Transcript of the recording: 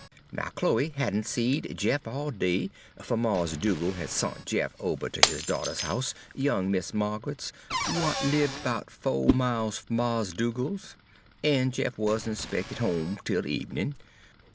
"Now, Chloe had n' seed Jeff all day, fer Mars' Dugal' had sont Jeff ober ter his daughter's house, young Mis' Ma'g'ret's, w'at libbed 'bout fo' miles fum Mars' Dugal's, en Jeff wuz n' 'spected home 'tel ebenin'.